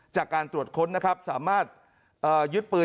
จากการตรวจค้นนะครับสามารถยึดปืน